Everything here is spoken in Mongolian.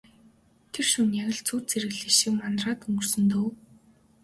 Тэр шөнө яг л зүүд зэрэглээ шиг манараад өнгөрсөн дөө.